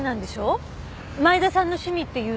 前田さんの趣味っていうと。